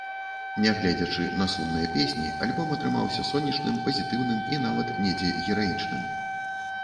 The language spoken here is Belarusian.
Нягледзячы на сумныя песні, альбом атрымаўся сонечным, пазітыўным і нават недзе гераічным.